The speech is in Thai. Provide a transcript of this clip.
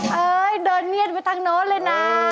เฮ้ยเดินเนียนไปทั้งโน้ตเลยน่ะ